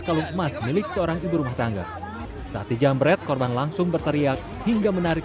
kalung emas milik seorang ibu rumah tangga saat dijamret korban langsung berteriak hingga menarik